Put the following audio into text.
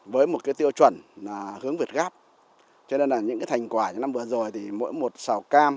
với một cái tiêu chuẩn là hướng vượt gáp cho nên là những cái thành quả như năm vừa rồi thì mỗi một sào cam